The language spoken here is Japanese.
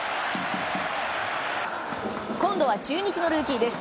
今度は中日のルーキーです。